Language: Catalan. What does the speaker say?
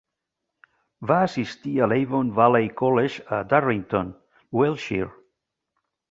Va assistir a l'Avon Valley College a Durrington, Wiltshire.